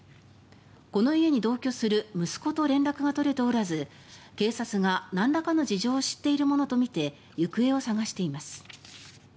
この家に同居する息子と連絡が取れておらず警察が、なんらかの事情を知っているものとみて行方を捜しています。